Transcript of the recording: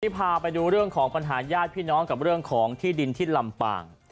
พาไปดูเรื่องของปัญหาญาติพี่น้องกับเรื่องของที่ดินที่ลำปาง